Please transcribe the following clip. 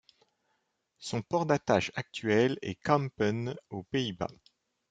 Son port d'attache actuel est Kampen aux Pays-Bas.